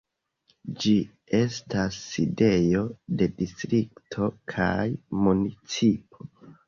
Ĝi estas sidejo de distrikto kaj municipo.